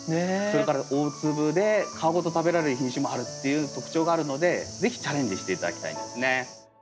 それから大粒で皮ごと食べられる品種もあるっていう特徴があるので是非チャレンジして頂きたいですね。